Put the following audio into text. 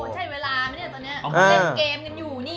ใช่เวลาไหมเนี่ยตอนนี้เล่นเกมกันอยู่นี่